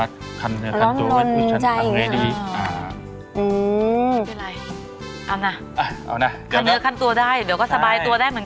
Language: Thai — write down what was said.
หรือว่าขันเนื้อคันตัวคุณทุกคนทุกคน